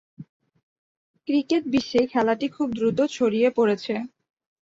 Cricket বিশ্বে খেলাটি খুব দ্রুত ছড়িয়ে পড়েছে।